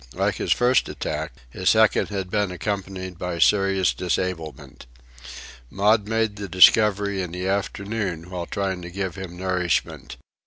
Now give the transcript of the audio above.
Like his first attack, his second had been accompanied by serious disablement. Maud made the discovery in the afternoon while trying to give him nourishment.